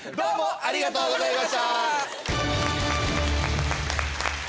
ありがとうございます！